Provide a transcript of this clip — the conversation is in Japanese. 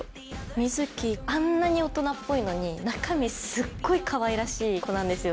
みずきあんなに大人っぽいのに中身すっごいかわいらしい子なんですよ。